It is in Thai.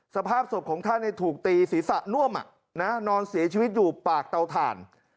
สภาพศพของท่านถูกตีศีรษะน่วมนอนเสียชีวิตอยู่ปากเตาถ่าน